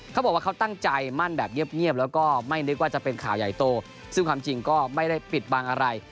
เขาบอกว่าเขาตั้งใจมั่นแบบเงียบแล้วก็ไม่นึกว่าจะเป็นข่าวใหญ่โตซึ่งความจริงก็ไม่ได้ปิดบังอะไร